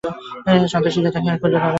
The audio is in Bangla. সন্ত্রাসীরা তাকে কখনো খুঁজে পাবে না।